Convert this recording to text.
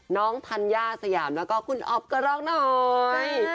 น้องทันยาสยามแล้วก็คุณออฟกระรอกหน่อย